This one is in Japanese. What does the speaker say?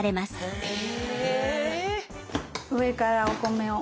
へえ！